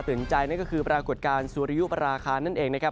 ใจนั่นก็คือปรากฏการณ์สุริยุปราคานั่นเองนะครับ